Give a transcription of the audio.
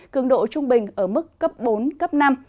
cường độ trung bình ở mức cấp bốn cấp năm